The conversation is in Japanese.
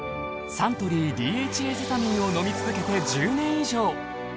サントリーＤＨＡセサミンを飲み続けて１０年以上。